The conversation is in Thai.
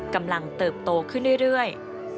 กำลังเติบโตขึ้นเรื่อย